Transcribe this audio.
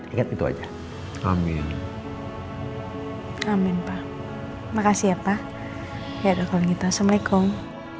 ingat itu aja amin amin pak makasih ya pak ya udah kalau gitu assalamualaikum waalaikumsalam